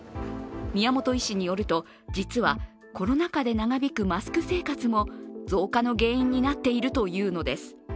宮本医師によると、実はコロナ禍で長引くマスク生活も増加の原因になっているというのです。